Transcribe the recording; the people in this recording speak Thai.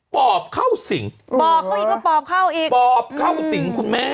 ปอบเข้าสิงปอบเข้าอีกปอบเข้าสิงคุณแม่